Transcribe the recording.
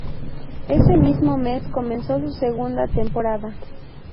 Ese mismo mes comenzó su segunda temporada.